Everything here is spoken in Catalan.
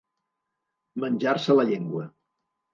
Menjar-se la llengua.